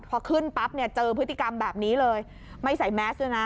พอขึ้นปั๊บเนี่ยเจอพฤติกรรมแบบนี้เลยไม่ใส่แมสด้วยนะ